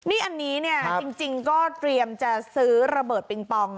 นี่อันนี้เนี่ยจริงก็เตรียมจะซื้อระเบิดปิงปอง